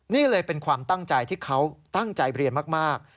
นี่เลยเป็นความตั้งใจที่เขาตั้งใจเรียนมาก